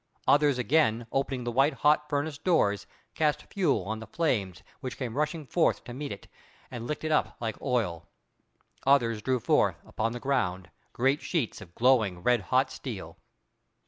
Others again, opening the white hot furnace doors, cast fuel on the flames, which came rushing forth to meet it, and licked it up like oil. Others drew forth, upon the ground, great sheets of glowing, red hot steel.